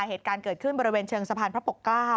เหตุการณ์เกิดขึ้นบริเวณเชิงสะพานพระปกเกล้า